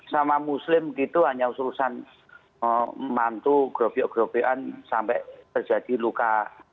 sama muslim gitu hanya usul usul mantu grope gropean sampai terjadi luka